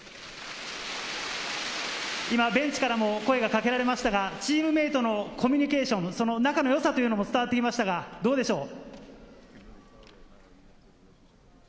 今、ベンチからも声が掛けられましたが、チームメートのコミュニケーション、仲の良さも伝わってきました、どうでしょう？